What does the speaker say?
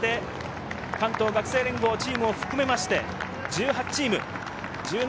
関東学生連合チームを含めて１８チーム。